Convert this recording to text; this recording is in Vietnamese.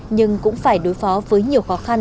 nhưng cũng phải đối phó với nhiều khó khăn